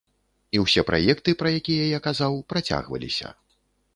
І ўсе праекты, пра якія я казаў, працягваліся.